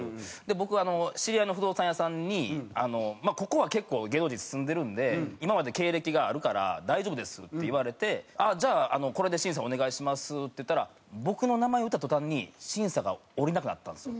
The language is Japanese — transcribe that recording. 僕知り合いの不動産屋さんに「ここは結構芸能人住んでるんで今まで経歴があるから大丈夫です」って言われて「じゃあこれで審査お願いします」って言ったら僕の名前を言った途端に審査が下りなくなったんですよ。